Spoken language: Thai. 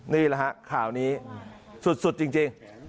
นี่แหละฮะข่าวนี้สุดจริง